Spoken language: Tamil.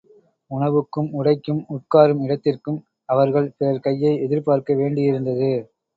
உணவுக்கும், உடைக்கும், உட்காரும் இடத்திற்கும் அவர்கள் பிறர் கையை எதிர்பார்க்க வேண்டியிருந்தது.